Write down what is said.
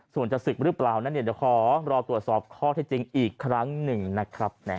ส่วนจะศึกหรือเปล่านั้นเดี๋ยวขอรอตรวจสอบข้อที่จริงอีกครั้งหนึ่งนะครับ